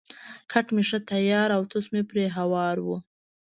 کټ مې ښه تیار او توس پرې هوار وو.